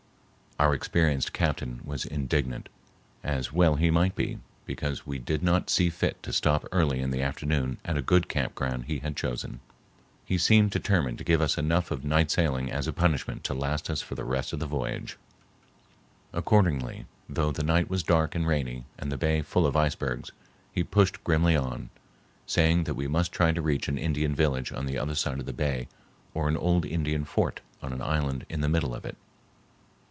Our experienced captain was indignant, as well he might be, because we did not see fit to stop early in the afternoon at a good camp ground he had chosen. He seemed determined to give us enough of night sailing as a punishment to last us for the rest of the voyage. Accordingly, though the night was dark and rainy and the bay full of icebergs, he pushed grimly on, saying that we must try to reach an Indian village on the other side of the bay or an old Indian fort on an island in the middle of it.